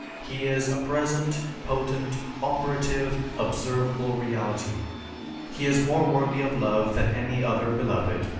He is a present, potent, operative, observable reality.... He is more worthy of love than any other beloved ...